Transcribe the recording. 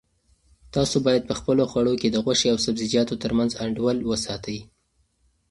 تاسو باید په خپلو خوړو کې د غوښې او سبزیجاتو ترمنځ انډول وساتئ.